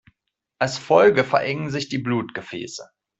Als Folge verengen sich die Blutgefäße.